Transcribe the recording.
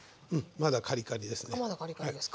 まだカリカリですか？